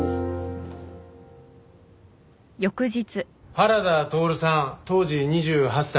原田透さん当時２８歳。